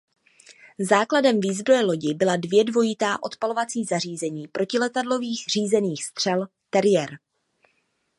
Základem výzbroje lodi byla dvě dvojitá odpalovací zařízení protiletadlových řízených střel Terrier.